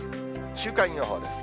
週間予報です。